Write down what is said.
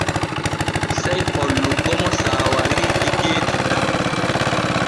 Sey hollugo mo saawari geeti tan.